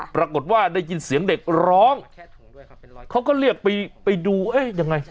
ปรากฏว่าได้ยินเสียงเด็กร้องเขาก็เรียกไปดูเอ๊ะยังไง